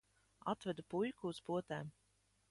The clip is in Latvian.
Atvedu puiku uz potēm.